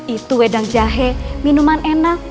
itu wedang jahe minuman enak